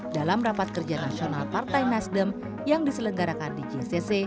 dalam rapat kerja nasional partai nasdem yang diselenggarakan di jcc